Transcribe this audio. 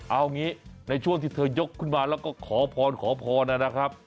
เอางี้ในช่วงที่เธอยกขึ้นมาแล้วก็ขอพรขอพรนะครับ